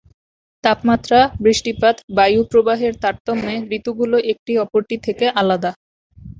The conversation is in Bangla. তাপমাত্রা, বৃষ্টিপাত, বায়ুপ্রবাহের তারতম্যে ঋতুগুলো একটি অপরটি থেকে আলাদা।